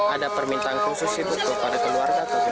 ada permintaan khusus ibu kepada keluarga